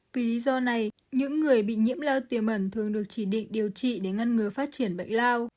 vì lý do này những người bị nhiễm lao tiềm ẩn thường được chỉ định điều trị để ngăn ngừa phát triển bệnh lao